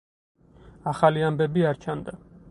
ახალი ამბები არ ჩანდა.